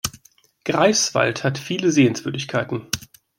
Greifswald hat viele Sehenswürdigkeiten